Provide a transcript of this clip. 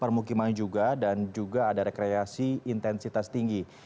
permukiman juga dan juga ada rekreasi intensitas tinggi